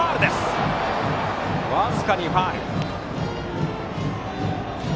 僅かにファウル。